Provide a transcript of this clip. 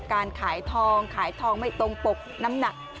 การขายทองขายทองไม่ตรงปกน้ำหนัก